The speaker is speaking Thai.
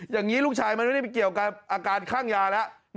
อย่างนี้ลูกชายมันไม่ได้ไปเกี่ยวกับอาการคลั่งยาแล้ว